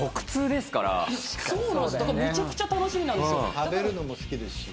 だからむちゃくちゃ楽しみなんですよ。